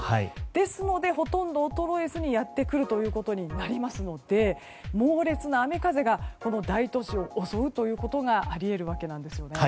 ですので、ほとんど衰えずにやってくるということになりますので猛烈な雨風が大都市を襲うことがあり得るわけです。